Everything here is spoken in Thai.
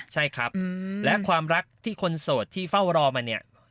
ใช่ครับและความรักที่คนโสดที่เฝ้ารอมาเนี่ย